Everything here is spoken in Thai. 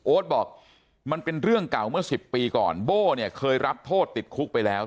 บอกมันเป็นเรื่องเก่าเมื่อ๑๐ปีก่อนโบ้เนี่ยเคยรับโทษติดคุกไปแล้ว